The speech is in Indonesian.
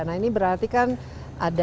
nah ini berarti kan ada